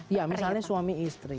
ya misalnya suami istri